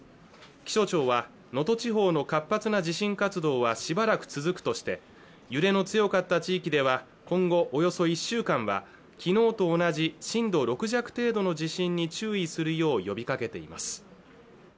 気象庁は能登地方の活発な地震活動はしばらく続くとして揺れの強かった地域では今後およそ１週間は昨日と同じ震度６弱程度の地震に注意するよう呼びかけています